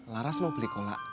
laras mau beli kolak